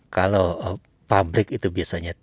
kalau pabrik itu biasanya